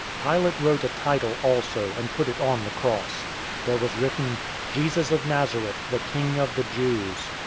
019:019 Pilate wrote a title also, and put it on the cross. There was written, "JESUS OF NAZARETH, THE KING OF THE JEWS."